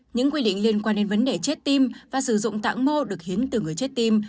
những quy định liên quan đến vấn đề chết tim và sử dụng tạng mô được hiến từ người chết tim